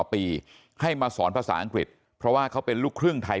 ปีให้มาสอนภาษาอังกฤษเพราะว่าเขาเป็นลูกครึ่งไทย